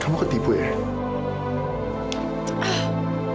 kamu ketipu ya